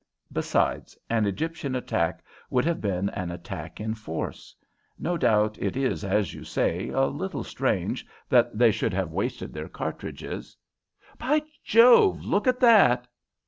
Besides, an Egyptian attack would have been an attack in force. No doubt it is, as you say, a little strange that they should have wasted their cartridges, by Jove, look at that!"